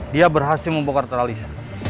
dia berhasil membuka tralis